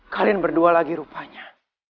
kalian berdua lagi rupanya